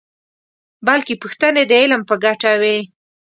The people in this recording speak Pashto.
بلکې پوښتنې د علم په ګټه وي.